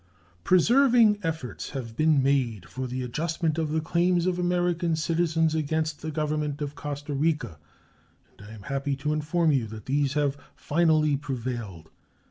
Persevering efforts have been made for the adjustment of the claims of American citizens against the Government of Costa Rica, and I am happy to inform you that these have finally prevailed.